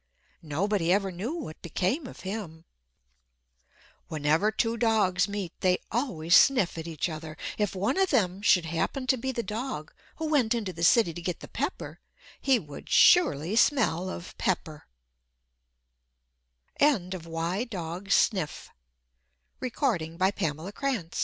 Nobody ever knew what became of him. Whenever two dogs meet they always sniff at each other. If one of them should happen to be the dog who went into the city to get the pepper, he would surely smell of pepp